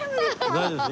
大丈夫です。